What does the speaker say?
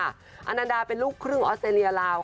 อันน่าดาเป็นลูกครึ่งออสเทรียลาวค่ะ